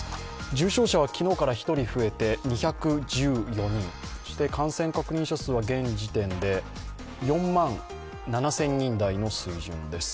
重症者は昨日から１人増えて２１４人、感染確認者数は現時点で４万７０００人台の水準です。